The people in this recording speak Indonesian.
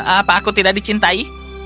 apa aku tidak dicintai